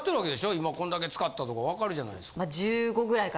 今こんだけ使ったとか分かるじゃないですか。